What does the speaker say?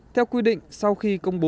theo quy định sau khi công bố phạt